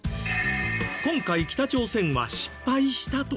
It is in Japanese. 今回北朝鮮は失敗したと発表。